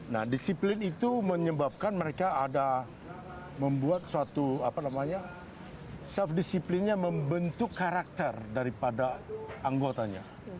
nah disiplin itu menyebabkan mereka ada membuat suatu apa namanya self discipline nya membentuk karakter daripada anggotanya